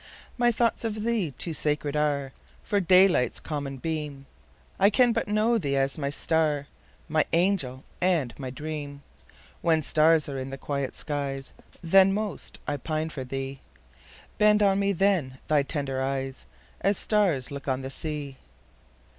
My thoughts of thee too sacred areFor daylight's common beam:I can but know thee as my star, My angel and my dream; When stars are in the quiet skies, Then most I pine for thee; Bend on me then thy tender eyes, As stars look on the sea!